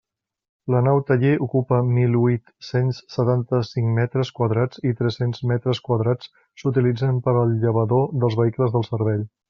La nau-taller ocupa mil huit-cents setanta-cinc metres quadrats i tres-cents metres quadrats s'utilitzen per al llavador dels vehicles del servei.